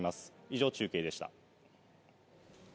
以上、中継でした。